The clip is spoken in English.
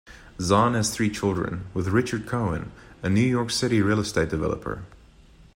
Zahn has three children with Richard Cohen, a New York City real estate developer.